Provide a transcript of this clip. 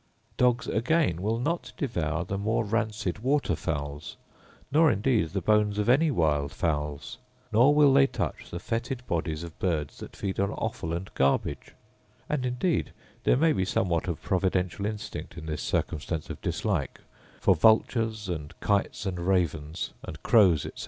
Dogs again will not devour the more rancid water fowls, nor indeed the bones of any wild fowls; nor will they touch the foetid bodies of birds that feed on offal and garbage: and indeed there may be somewhat of providential instinct in this circumstance of dislike; for vultures,* and kites, and ravens, and crows, etc.